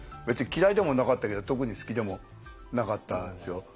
別に嫌いでもなかったけど特に好きでもなかったんですよ。